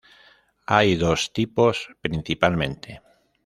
Hay dos tipos principalmente.